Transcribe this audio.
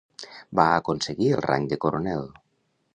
Va aconseguir el rang de coronel.